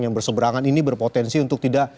yang berseberangan ini berpotensi untuk tidak